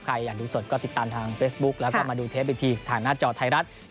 ใครอยากดูสดก็ติดตามทางเฟซบุ๊กแล้วก็มาดูเทปอีกทีทางหน้าจอไทยรัฐ